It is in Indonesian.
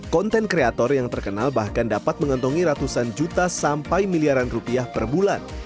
konten kreator yang terkenal bahkan dapat mengantongi ratusan juta sampai miliaran rupiah per bulan